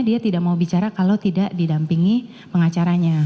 dia tidak mau bicara kalau tidak didampingi pengacaranya